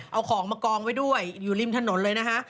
เอาของมากองไว้ด้วยอยู่ริมถนนเลยนะคะ